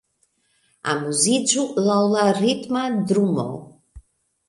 Amuziĝu laŭ la ritma drumo